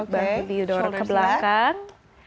shoulders ke belakang